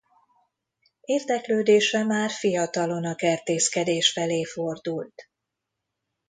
Érdeklődése már fiatalon a kertészkedés felé fordult.